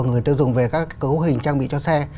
người tiêu dùng về các cấu hình trang bị cho xe